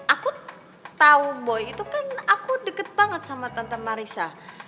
aku tahu boy itu kan aku deket banget sama tante marissa